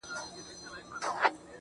او توري څڼي به دي~